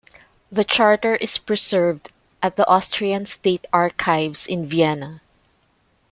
The charter is preserved at the Austrian State Archives in Vienna.